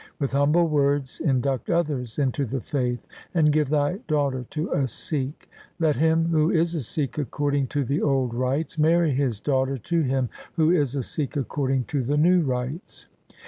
With humble words induct others into the faith, and give thy daughter to a Sikh. Let him who is a Sikh according to the old rites, marry his daughter to him who is a Sikh according to the new rites.